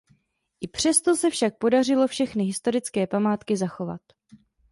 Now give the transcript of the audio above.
I přesto se však podařilo všechny historické památky zachovat.